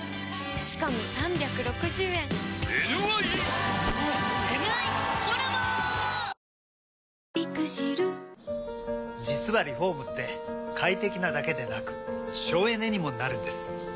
それはＣＭ②のあとで実はリフォームって快適なだけでなく省エネにもなるんです。